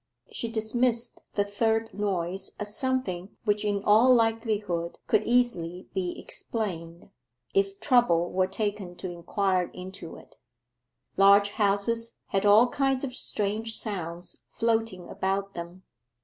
She dismissed the third noise as something which in all likelihood could easily be explained, if trouble were taken to inquire into it: large houses had all kinds of strange sounds floating about them.